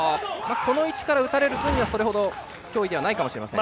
この位置から打たれる分にはそれほど脅威ではないかもしれません。